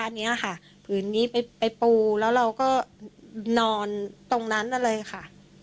อันนี้ค่ะผืนนี้ไปปูแล้วเราก็นอนตรงนั้นเลยค่ะ